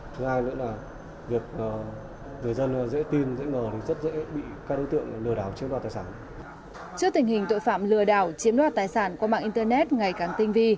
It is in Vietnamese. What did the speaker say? trước tình hình tội phạm lừa đảo chiếm đoạt tài sản qua mạng internet ngày càng tinh vi